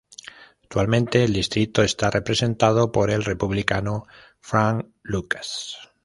Actualmente el distrito está representado por el Republicano Frank Lucas.